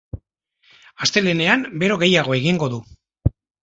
Astelehenean bero gehiago egingo du.